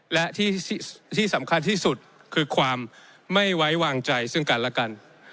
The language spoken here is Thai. และที่สำคัญที่สุดคือความไม่ไว้วางใจซึ่งกันและกัน